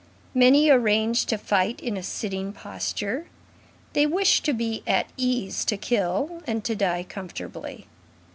Many arrange to fight in a sitting posture. They wish to be at ease to kill, and to die comfortably.